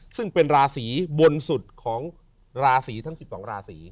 ซึ่งเป็นราศีบนสุดของราศีทั้ง๑๒ราศี